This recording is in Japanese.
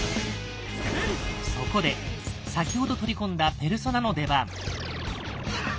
そこで先ほど取り込んだペルソナの出番。